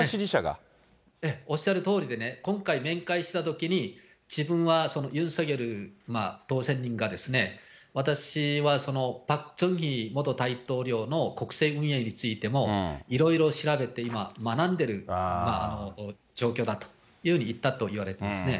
ええ、おっしゃるとおりでね、今回、面会したときに自分はユン・ソギョル当選人が、私はパク・チョンヒ元大統領の国政運営についても、いろいろ調べて、今学んでる状況だというふうに言ったといわれていますね。